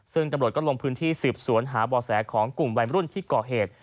ซึ่งตำรวจก็ลงพื้นที่สืบสวนหาบ่อแสของกลุ่มวัยรุ่นที่ก่อเหตุ